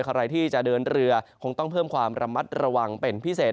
ใครที่จะเดินเรือคงต้องเพิ่มความระมัดระวังเป็นพิเศษ